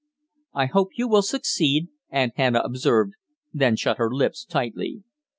"I hope you will succeed," Aunt Hannah observed, then shut her lips tightly.